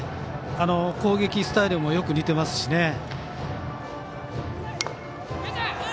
攻撃スタイルもよく似ていますしね。